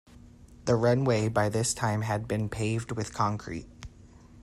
The runway by this time had been paved with concrete.